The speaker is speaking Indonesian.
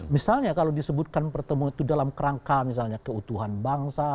misalnya kalau disebutkan pertemuan itu dalam kerangka misalnya keutuhan bangsa